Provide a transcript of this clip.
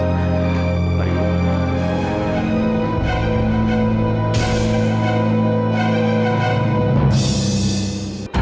mereka lakuin obatnya sama sama sama sama